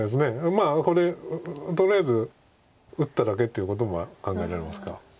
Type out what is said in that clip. まあこれとりあえず打っただけっていうことも考えられますが。